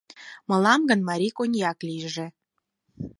— Мылам гын марий коньякак лийже!